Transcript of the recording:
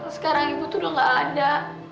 sekarang ibu tuh udah gak ada